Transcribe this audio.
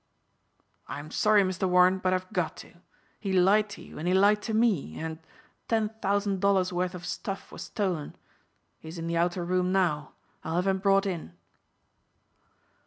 "I'm sorry, Mr. Warren, but I've got to. He lied to you and he lied to me and ten thousand dollars' worth of stuff was stolen. He's in the outer room now. I'll have him brought in."